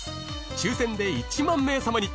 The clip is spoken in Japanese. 抽選で１万名様に！